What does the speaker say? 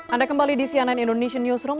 anda kembali di cnn indonesian newsroom